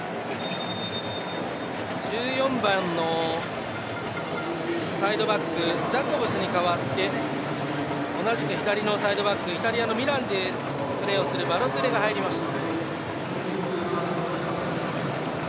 １４番のサイドバックジャコブスに代わって同じくイタリアのサイドバックイタリアのミランで活躍するバロトゥレが入りました。